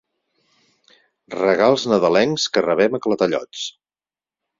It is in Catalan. Regals nadalencs que rebem a clatellots.